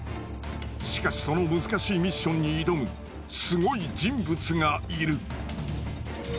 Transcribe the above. しかしその難しいミッションに挑むすごい人物がいる。